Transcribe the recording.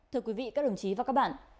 thưa quý vị các đồng chí và các bạn